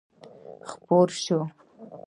خپور شو.